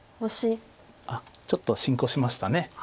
あっちょっと進行しました。